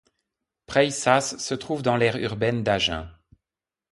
Prayssas se trouve dans l'aire urbaine d'Agen.